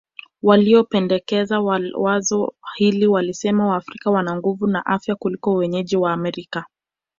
Waliopendekeza wazo hili walisema Waafrika wana nguvu na afya kuliko wenyeji wa Amerika